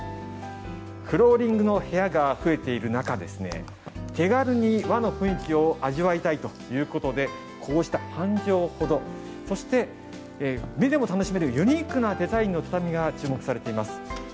フローリングの部屋が増えている中手軽に和の雰囲気を味わいたいということでこうした半畳ほどそして目でも楽しめるユニークなデザインの畳が注目されています。